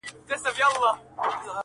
خدایه چیري په سفر یې له عالمه له امامه.